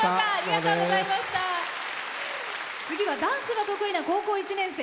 次はダンスが得意な高校１年生。